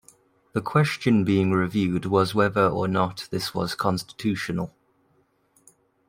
The question being reviewed was whether or not this was constitutional.